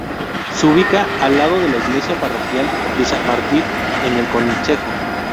Se ubica al lado de la iglesia parroquial de San Martín en el concejo.